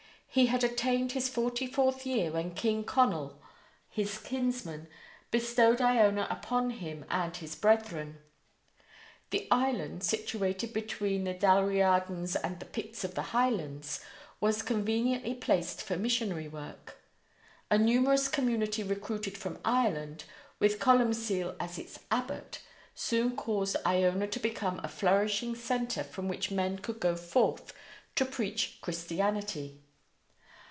He had attained his forty fourth year when King Conall, his kinsman, bestowed Iona upon him and his brethren. The island, situated between the Dalriadans and the Picts of the Highlands, was conveniently placed for missionary work. A numerous community recruited from Ireland, with Columcille as its Abbot, soon caused Iona to become a flourishing centre from which men could go forth to preach Christianity.